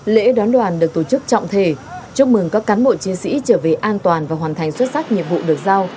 lễ đón đoàn được tổ chức trọng thể chúc mừng các cán bộ chiến sĩ trở về an toàn và hoàn thành xuất sắc nhiệm vụ được giao